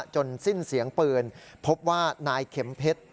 จนสิ้นเสียงปืนพบว่านายเข็มเพชร